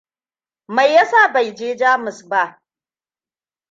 Mai ya sa bai je Jamus ba?